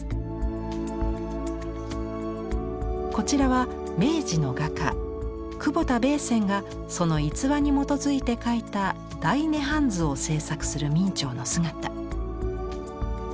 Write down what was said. こちらは明治の画家久保田米僊がその逸話に基づいて描いた「大涅槃図」を制作する明兆の姿。